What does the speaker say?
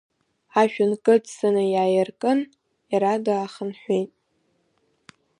Ашә нкыдҵаны иаиркын, иара даахынҳәит.